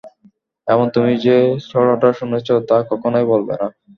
এবং তুমি যে ছড়াটা শুনেছ, তা কখনই বলবে না।